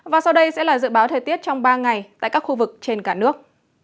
và sau đây sẽ là dự báo thời tiết trong ba ngày tại các khu vực trên cả nước